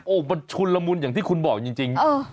โอ้โหมันชุนละมุนอย่างที่คุณบอกจริง